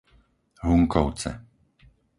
Hunkovce